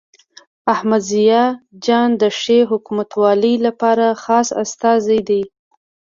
احمد ضیاء جان د ښې حکومتولۍ لپاره خاص استازی دی.